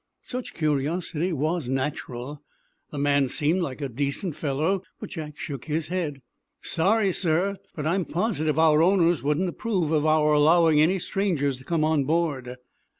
Such curiosity was natural. The man seemed like a decent fellow. But Jack shook his head. "I'm sorry, sir, but I'm positive our owners wouldn't approve of our allowing any strangers to come on board."